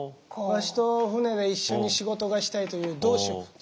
わしと船で一緒に仕事がしたいという同志を募ったがじゃ。